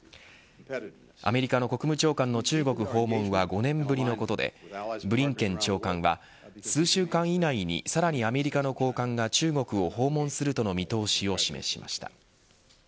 アメリカの国務長官の中国訪問は５年ぶりのことでブリンケン長官は数週間以内にさらにアメリカの高官が中国を訪問するとの見通しを示しました。